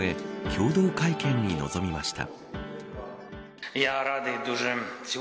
共同会見に臨みました。